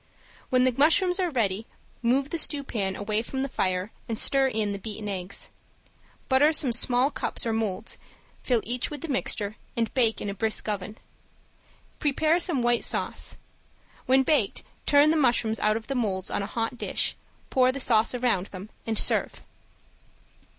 When the mushrooms are ready move the stewpan away from the fire and stir in the beaten eggs. Butter some small cups or molds, fill each with the mixture, and bake in a brisk oven. Prepare some white sauce; when baked turn the mushrooms out of the molds on a hot dish, pour the sauce around them, and serve.